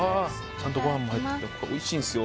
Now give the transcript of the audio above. ちゃんとご飯も入ってておいしいんすよ